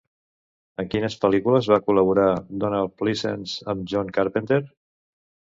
En quines pel·lícules va col·laborar Donald Pleasence amb John Carpenter?